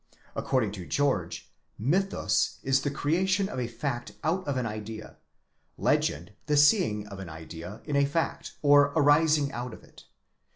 According to George, mythus is the creation of a fact out of an idea: /egend the seeing of an idea in a fact, or arising out of it.